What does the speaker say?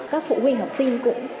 các phụ huynh học sinh cũng